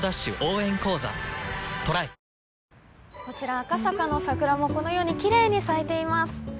こちら赤坂の桜もこのようにきれいに咲いています。